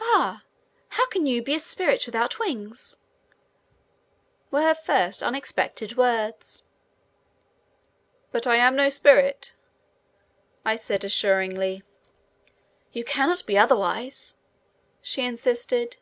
"Ah! how can you be a spirit without wings?" were her first unexpected words. "But I am no spirit," I said assuringly. "You cannot be otherwise," she insisted.